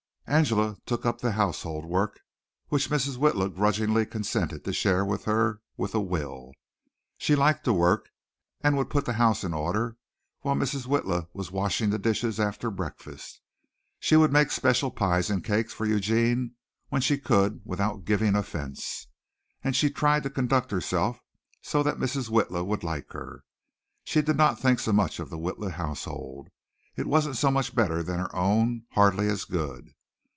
Angela took up the household work, which Mrs. Witla grudgingly consented to share with her, with a will. She liked to work and would put the house in order while Mrs. Witla was washing the dishes after breakfast. She would make special pies and cakes for Eugene when she could without giving offense, and she tried to conduct herself so that Mrs. Witla would like her. She did not think so much of the Witla household. It wasn't so much better than her own hardly as good.